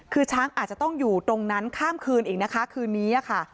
คือช้างอาจจะต้องอยู่ตรงนั้นข้ามคืนอีกนะคะคืนนี้ค่ะ